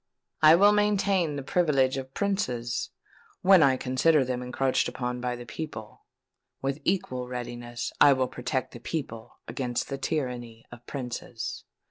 I will maintain the privileges of princes, when I consider them encroached upon by the people: with equal readiness will I protect the people against the tyranny of princes."